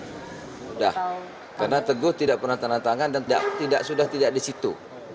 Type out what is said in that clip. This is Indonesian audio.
sudah karena teguh tidak pernah tanda tangan dan sudah tidak di situ